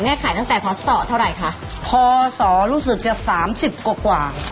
แม่ขายตั้งแต่ภอสเท่าไหร่คะ